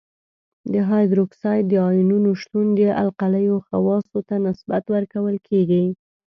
د هایدروکساید د آیونونو شتون د القلیو خواصو ته نسبت ورکول کیږي.